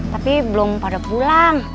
tapi belum pada pulang